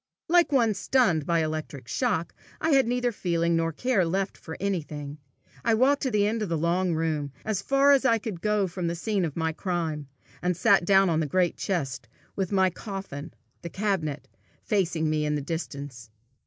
Like one stunned by an electric shock, I had neither feeling nor care left for anything. I walked to the end of the long room, as far as I could go from the scene of my crime, and sat down on the great chest, with my coffin, the cabinet, facing me in the distance.